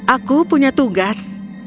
aku punya tugas